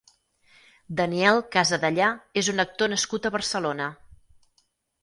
Daniel Casadellà és un actor nascut a Barcelona.